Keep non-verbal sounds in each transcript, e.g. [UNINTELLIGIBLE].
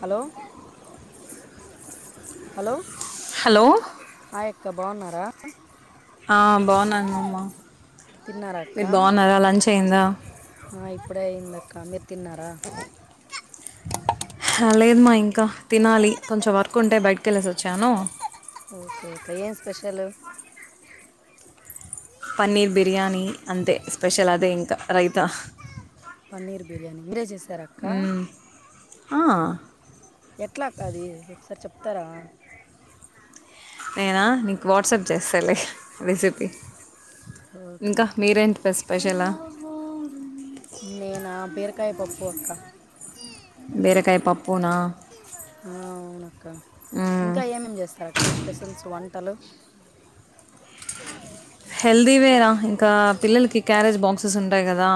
Hello hello hello hi అక్క బాగున్నారా ఆ బాగున్నాను నువ్ మా తిన్నారా అక్క అయిందా ఆ ఇప్పుడే అయిందక్క మీరు తిన్నారా హా లేదు మ ఇంకా తినాలి కొంచెం వర్క్ ఉంటే బయటికి వెళ్ళేసి వచ్చాను ఓకే అక్క ఏం స్పెషలు పన్నీర్ బిర్యానీ అంతే స్పెషల్ అదే ఇంకా రైతా పన్నీర్ బిర్యానీ మీరే చేసార అక్క మ్మ్. ఆ ఎట్లా అక్క ఆది ఒకసారి చెప్తారా అ నేనా నీకు వాట్సాప్ చేస్తాలే రెసిపీ ఓకే ఇంకా అక్క మీరేంటి స్పెషలా నేనా బీరకాయ పప్పు అక్క బీరకాయ పప్పునా ఆ అవున అక్క మ్మ్. ఇంకా ఏమే ఏమి చేస్తార అక్క స్పెషల్స్ వంటలు హెల్దీవేరా ఇంకా పిల్లలకి క్యారేజ్ బాక్సెస్ ఉంటాయి కదా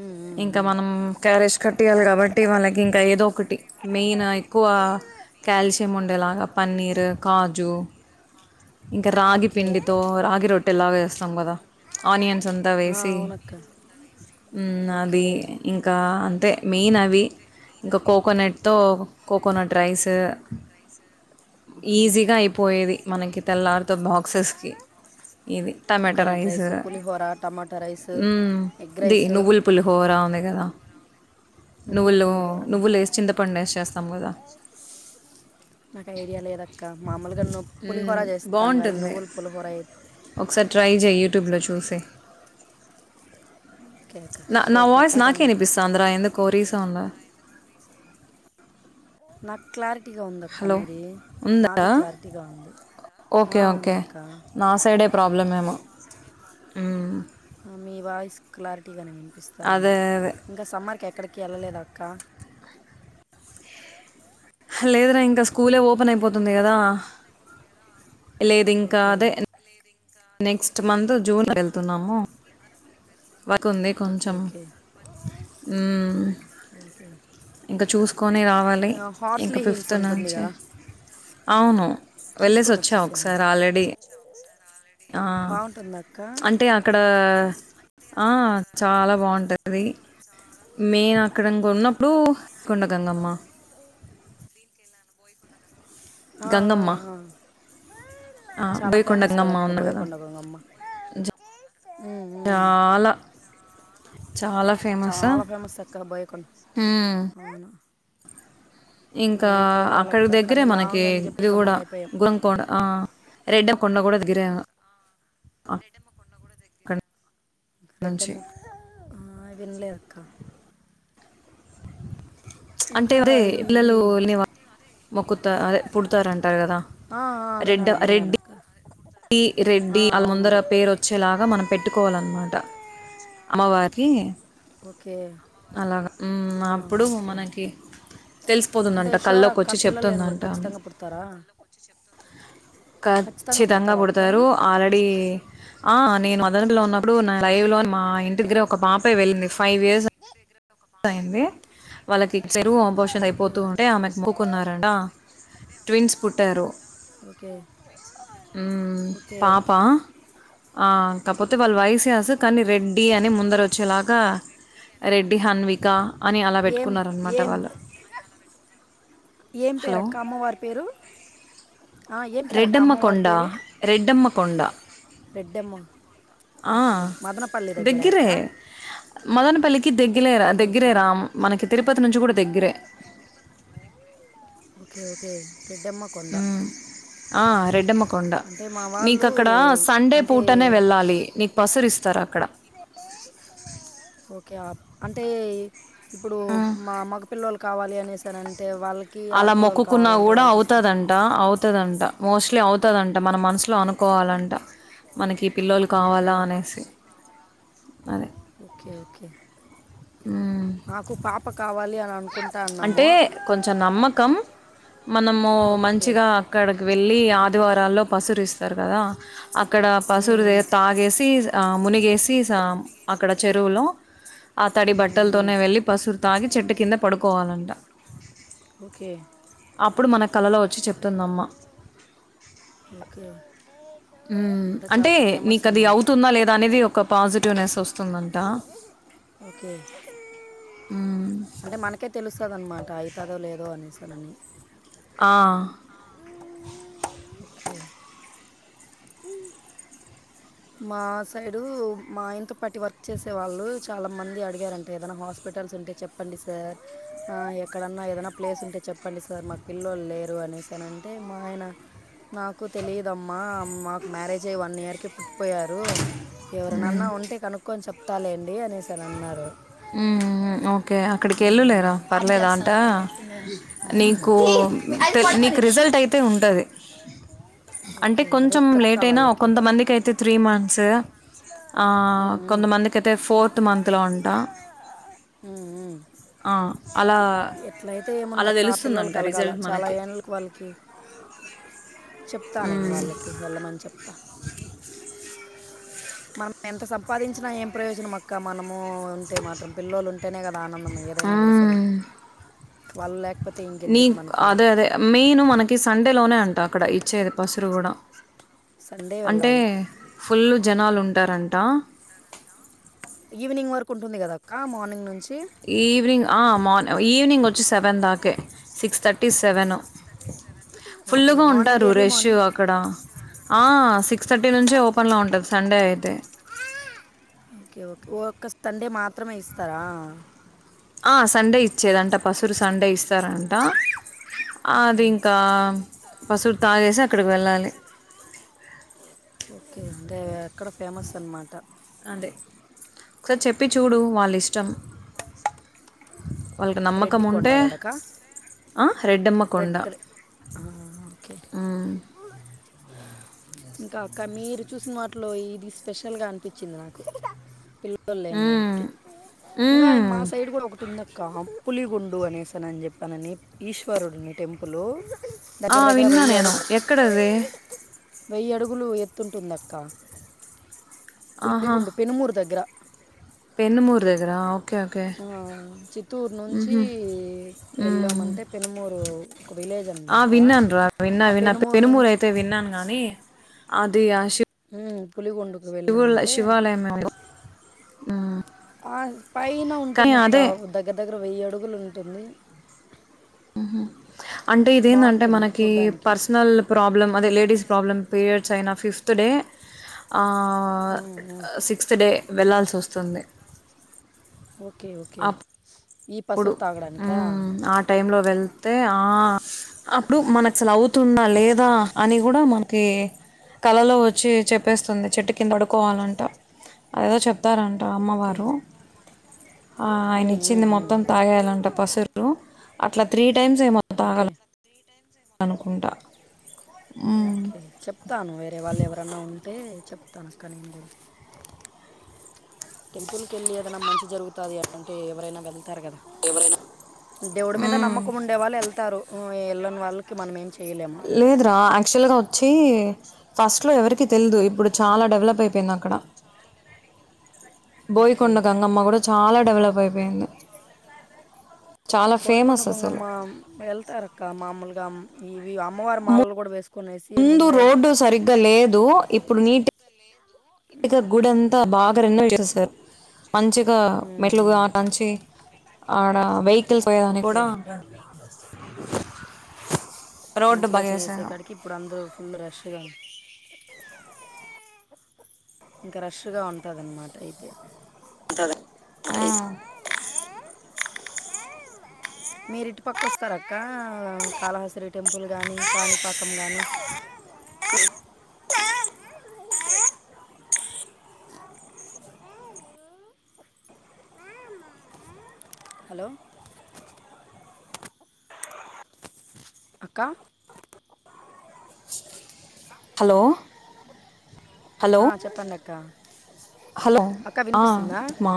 ఉమ్ ఉ ఇంకా ఉమ్ మనం క్యారేజ్ కట్టియాలి కాబట్టి వాళ్ళకి ఇంకా ఏదో ఒకటి మెయిన్ అ ఎక్కువ కాల్షియం ఉండేలాగా పన్నీర్ కాజు ఇంకా రాగి ఓకే పిండితో రాగి రొట్ రోట్టే లాగా చేస్తాం కదా ఆనియన్స్ అంతా ఆ, వేసి అవునక్క ఉమ్ ఓకే అది ఇంకా అంతే మెయిన్ అవి ఇంకా కోకోనట్తో కోకోనట్ రైస్ ఒకే ఈజీగా అయిపోయేది మనకి తెల్లారితో బాక్సెస్కి ఇది టమాటా కోకోనట్ రైస్ రైసు పులిహోర టమాట రైసు ఎగ్ రైసు పులిహోరా ఉంది కదా నువ్వుల నువ్వులు పులిహోర నాకు నువ్వులేసి చింతపండే ఎసేస్తం కదా నాకు ఐడియా లేద అక్క మామలుగా ను మ్మ్, పులిహొరా చేస్తాం కానీ బాగుంటుంది నువ్వులు పులిహోర ఏ ఒకసారి ట్రై చెయి యూట్యూబ్లో చూసి ఓకే అక్క నా నా ష్యూర్ వాయిస్ నాకే కచ్చితంగా అనిపిస్తుందిరా ఎందుకో రీసౌండ్లో నాక్ క్లార్ టీగా ఉంద అక్క హలో మీది ఉందా నాది క్లారిటీగా ఉంది ఓకే ఆ ఉంద ఓకే అక్క నా సైడే ప్రాబ్లమ్ ఏమో ఆ మీ వాయిస్ క్లారిటీగానే వినిపిస్త అదే ఉంది అదే ఇంకా సమ్మర్కి ఎక్కడికి ఎళ్ళలేదా అక్క [INAUDIBLE] లేదురా ఇంకా స్కూలే ఓపెన్ అయిపోతుంది కదా లేద్ ఇంక అదే నెక్స్ట్ మంత్ జూన్ వెళ్తున్నాము ఓకె ఓకె ఉమ్ ఓకే ఇంక చూసుకొని రావాలి ఇంకా హార్స్లీ హిల్స్ ఫిఫ్త్ ఉంటుంది నుంచి కదా అవును వెళ్ళేసి వోచ్చామ్ ఒకసారి ఆల్రెడీ చూస్ ఆ అంటే ఆ అక్కడ అ చాలా బాగుంట అది మేం అక్కడ గొన్న అప్పుడు కొండగంగ అమ్మ ఆ ఆ గంగమ్మ ఆ ఆ! చాలా బోయకొండ ఫేమస్ గదా గంగమ్మ అక్క ఉంది బోయకొండగంగ అమ్మ చాలా చాలా ఫేమస్ చాలా ఉమ్ ఆ ఇంకా అక్కడి వెళ్ళాలక్క దగ్గరే కానీ మనకి లాంగ్ అని చెప్పి ఇది గమ్మన గూడా అయిపోయాం గున్ కూడా ఆ రెడ్డ కొండ గూడా దగ్గరే రెడ్డమ్మ కొండ గూడ కన్ రెడ్డమ్మ ఆ విన్లేదు అక్క ప్చ్ అంటే ఇంకా వరే ఇది పిల్లలు లేని వా మొక్కుత అదే పుడుతారంట గదా ఆ ఆ రెడ్డ విన్నాను విన్నాను రెడ్డి అక్క ఈ ఆ రెడ్డి అల్ల అవును ముందర రే- పేరు వ వచ్చేలాగా మనం పెట్టుకోవాలనమాట అమ్మవారి ఓకే అలాగా ఉమ్ ఆ అప్పుడు ఓకే మనకి తెలిసిపోతుందంట కల్లోకి వచ్చి చెప్తుందంట ఆమె తరా ఖచ్చితంగా పుడతారా అక్క పుడతరు ఆల్రెడీ ఆ నేను మదనపెల్లిలో ఉన్నప్పుడు నా లైవ్ లో మా ఇంటి దగ్గరే ఒక పాపే వెళ్ళింది ఫైవ్ ఇయర్స్ అయింది వాల్లకి అయింది చెరువు అబర్షన్ ఓకే అయిపోతూ ఉంటే ఆమెకు మొక్కుకున్నారంట ట్విన్స్ పుట్టారు ఓకే ఉమ్ ఓకే పాపా ఆ కపోతే వాల్లు వైసఆస్ కానీ రెడ్డి అని ముందర వచ్చేలాగా రె డ్డి హన్విక అని అలా ఏం రెడ్డి పెట్టుకున్నారనమాట ఏం వాళ్ళు హారిక ఏం హలో! పేరక్క అమ్మవారి పేరు ఆ ఏం పేరు అక్క రెడ్డమ్మ అమ్మవారి కొండ పేరు రెడ్డమ్మ కొండ రెడ్డమ్మ ఆ! ఒకే మదనపల్లి దగ్గర అక్క దగ్గరే. మదనపల్లికి దగ్గిలే రా ఓకే ఓకే దగ్గరే రా మనకి తిరుపతి నుంచి గూడా దగ్గరే తిరుపతి నుంచి గూడా దగ్గరే ఒకే ఒకే రెడ్డమ్మ కొండ హ్మ్. ఆ రెడ్డమ్మకొండ అంటే మా నీకి వాళ్ళు అక్కడ సండే అంటే పూటనే అక్కడ వెల్లాలి నీ పసరిస్తారు అక్కడ [UNINTELLIGIBLE] ఓకే అప్ అంటే ఇప్పుడు హ్మ్. మా మగ పిల్లలు కావాలి అనేసి అనంటే వాళ్ళకి అలా ఆడపిల్లోలు మొక్కుకున్నా కావాలంటే గూడా వాళ్ళకిస్త అవుతదన్ ట అవుతదంట మోస్ట్లీ అవుతదంట మన మనసులో అనుకోవాలంట మనకి ఈ పిల్లోలు ఓకే. కావాలా అనేసి అని ఒకే ఒకే ఊ మాకు పాప కావాలి అని అనుకుంటన్నాము టె కొంచం నమ్మకం మనము ఓకే. మంచిగా అక్కడికి వెల్లి ఆదివారాల్లో పసురు ఇస్తారు గదా అ అక్కడ హ్మ్. పసురు ద హ్మ్. తాగేసి ఆ మునిగేసి సా అక్కడ చెరువులో ఆ తడి హ్మ్. బట్టల్తోనే వెళ్లి పసురు తాగి చెట్టు కింద పడు చెట్టుకింద పడుకోవాలి ఒకే అప్పుడు మన కళలో వచ్చి చెప్తుంది అమ్మ ఒకే ఉమ్ అంటే నీకది అవుతుందా లేదా అనేది ఒక పాజిటివ్నెస్ వస్తుందంట ఒకే ఉమ్ కే తెలుస్తాదన్నమాట అయితాదో లేదో అనేసనని ఆ ఓకే ఉ మా సైడు మా ఆనతోపాటి వర్క్ చేసే వాళ్ళు చాలా మంది అడిగారంట ఏదైనా హాస్పిటల్స్ ఉంటే చెప్ ప్పండి సార్ ఆ ఎక్కడన్నా ఏదనా ప్లేస్ ఉంటే చెప్పండి సార్ మాకు పిల్ల్లోళు లేరు అనేసి తనంటే మా ఆయన నాకు తెలియదమ్మా మాకు మ్యారేజైయి వన్ ఇయర్కి పోయారు ఎవరినన్నా ఉంటే కనుక్కొని చెప్తాలెండి అనేసిని అన్నారు ఉ ఉ ఓకే అక్కడికి వెళ్ళులేరా పర్లేడాటా ఉమ్, నీకు పే నీకు రిజల్ట్ అయితే ఉండాది స అంటే కొంచెం లేట్ అయినా కొంతమందికైతే త్రీ మంత్స్ ఆ ఉమ్, ఉమ్, కొంతమందికైతే ఫోర్త్ మంత్లో అంటా ఉ ఉ అలా ఎట్లయితే ఏముంద అలా అక్క పిల్లలు తెలుస్తుందంట కలగాల రిజల్ట్ చాలా మనకి. ఎన్ళక్కి వాళ్ళకి చెప్తా నేను హ్మ్. వాళ్ళకి వెళ్ళమని చెప్తా మనం ఎంత సంపాదించినా ఏం ప్రయోజనం అక్క మనము ఉంటే మాత్రం పిల్లలు ఉంటేనే కదా ఆనందం ఏదైనా గూడా సరే హ్మ్. వాళ్ళు లేకపోతే ఇంకెందుకు మనకి మెను మనకి సండే లోనే అంటా అక్కడ ఇచ్చేది బస్సులు కూడా సండే అంటే వెళ్ళాలి ఫుల్ జనాలు ఉం ఈవినింగ్ వరకు ఉంటుంది కదక్క మార్నింగ్ నుంచి ఈవినింగ్ ఆ మార్ ఈవినింగ్ వచ్చి సెవెన్ దాకే సిక్స్ థర్టీ సెవెను ఓకే ఫుల్లుగా మార్నింగ్ ఉంటారు ఎర్లీ రేష్యో మార్నింగ్ అక్కడ ఆ సిక్స్ థర్టీ నుంచే ఓపెన్లో ఉంటాది సండే అయితే ఒక్క సండే మాత్రమే ఇస్తారా ఆ సండే ఇచ్చేది అంట పసురు సండే ఇస్తారంట ఆ ఓకే అది ఇంకా పసురు తాగేసి అక్కడికి వెళ్ళాలి ఓకే అంటే ఎక్కడ ఫేమస్ అన్నమాట అదే ఒకసారి చెప్ వాళ్ళకి నమ్మకం రెడ్డి ఉంటే కొండగదక ఆ రెడ్డమ్మ కొండ ఆ ఓకే మ్మ్. ఇంకా అక్క మీరు చూసిన వాటిలో ఇది స్పెషల్ గా అనిపించింది నాకు పిల్ ల్లలు లేని మ్మ్. వాళ్ళకి ఇంకా మ్మ్. మా సైడ్ గూడా ఒకటి ఉందక్క పులిగుండు అనేసానుని చెప్పానని ఈశ్వరుడిని టెంపుల్ ఆ దగ్గర దగ్గర విన్నా వెయ్యి నేను అడుగు ఎక్కడది వెయ్యి అడుగులు ఎత్తుంటుంది అక్క పుల్లిగుండు పెనుమూరు దగ్గర పెన్నుమూరు దగ్గర ఓకే ఆ చిత్తూరు నుంచి మ్మ్. ఏళ్ళామంటే పెనుమూరు ఒక విలేజ్ ఆ అనమాట విన్నాను రా విన్నా ఆ విన్నా పెనుమూరు నుంచి అయితే విన్నాను గాని అదే ఆ షిప్ ఉ పులిగుండుకు వెళ్ళామంటే శివాలయం ఏమో. ఆ పైన కానీ ఉంటుందక్క అదే దగ్గర దగ్గర వెయ్యి అడుగులు ఉంటుంది అంటే ఇదేందంటే బాగుంటుంది మనకి చూడ్డానికి పర్సనల్ ప్రాబ్లమ్ అదే లేడీస్ ప్రాబ్లమ్ పీరియడ్స్ అయినా ఫిఫ్త్ డే ఆ ఆ, ఆ. సిక్స్త్ డే వెళ్ళాల్సి వస్తుంది ఓకే ఓకే ఆ ఈ అప్పుడు పసురు తాగడానిక మ్మ్. ఆ టైంలో వెళ్తే ఆ అప్పుడు మనక్ అసలవుతున్న ఓకే లేదా అని కూడా మనకి కళలో వచ్చి చెప్పేస్తుంది చెట్టు కింద పడుకోవాలంట అదేదో చెప్తారంట ఓకే అమ్మవారు ఆయన ఉమ్, ఉమ్, ఇచ్చింది మొ ఉమ్. త్తం తాగేయాలంట పసరు అట్లా త్రీ టైమ్స్ ఏమో తాగల ఓకే అనుకుంట ఓకే చెప్తాను వేరేవాళ్ళు ఎవరన్నా ఉంటే చెప్తాను అక్క నేను గూడా టెంపుల్కెళ్ళి ఏదన్నా మంచి జరుగుతాది అంటే ఎవరైనా వెళ్తారు కదా ఎవరైన దేవుడి మీద నమ్మకం ఉండే వాళ్ళు ఏళ్తారు ఏళ్ళని వాళ్ళు కి మనమేం చేయలేం లేదురా యాక్చువల్గా వచ్చి ఫస్ట్లో ఎవరికి తెల్దు ఇప్పుడు చాలా డెవలప్ అయిపోయింది అక్కడ. బోయికొండ ఓకే గంగమ్మ కూడా చాలా డెవలప్ అయి పోయింది చాలా ఫేమస్ అసలు వెళ్తారు అక్క మామూలుగా ఇవి అమ్మవారి మాల్లు కూడా వేస్ ముందు రోడ్డు సరిగ్గా లేదు ఇప్పుడు నీట్ గ గుడంతా బాగా రెన్యువెల్ చేసారు మంచిగా మెట్లుగానంచి ఆడ వేయి కి పోయేదాన్ని ఓకే కూడా రోడ్డు మంచిగా చేసే బాగెసారు కాడికి ఇప్పుడు అందరూ ఫుల్ రష్గా ఇంక రష్గా ఉంటాదన్నమాట అయితే ఉంటాది మ్ మీరిటుపక్క వస్తార అక్కా కాళహస్త్రీ టెంపుల్ గాని కాణిపాకం గాని [INAUDIBLE] హలో అక్క హలో హలో చెప్పండక్కా హలో ఆ చెప్మా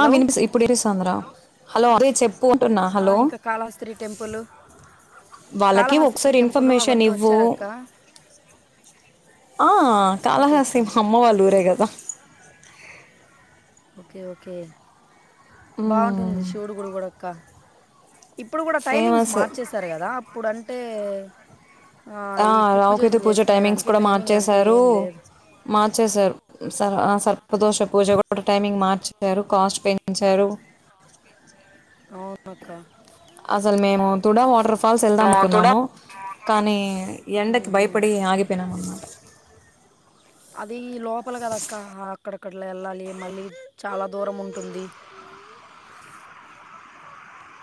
ఆ వినిపిస్ ఇప్పుడు వినిపిస్తాందిరా హలో అదే చెప్పు అంటున్నా హలో కాళహస్త్రి టెంపులు వాళ్ళకి ఒకసారి ఇన్ఫర్మేషన్ అవంతా ఇవ్వు వచ్చారక్క ఆ కాళహాస్తి మా అమ్మ వాళ్ళ ఊరే కదా కాళహస్తి మా అమ్మ వాళ్ళ ఊరే ఒకే ఒకే బాగుంటుంది శివుడు గుడి కూడ అక్క ఇప్పుడు కూడా టైమింగ్స్ ఫేమస్ మార్చేస్ త్తరు కదా అప్పుడంటే ఆ ఈ రావుకేతు పూజలు పూజ చేసుకునే టైమింగ్స్ దానికి కూడా టైమింగ్ అంటూ మార్చేశారు ఏం లేదు మార్చేశారు ఆ సర సర్పదోష పూజ కూడా టైమింగ్ మార్చారు కాస్ట్ పెంచారు కాస్ట్ పెంచారు అవునక్క అసలు మేము తుడా వాటర్ ఫాల్స్ వెళ్దాం అనుకున్నాము కానీ ఉమ్, ఎండకి ఉమ్. భయపడి ఆగిపోయినాం అన్నమాట అదీ లోపల కదక్క అక్కడక్కడలో వెళ్ళాలి మళ్ళీ చాలా దూరం ఉంటుంది.